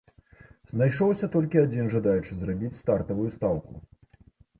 Знайшоўся толькі адзін жадаючы зрабіць стартавую стаўку.